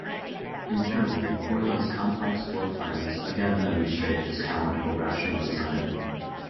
Internally, Horta's complex floor plans again demonstrate his talent for rational design.